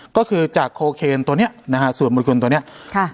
ก็คือจากโคเคนตัวเนี้ยนะฮะส่วนบุคคลตัวเนี้ยค่ะ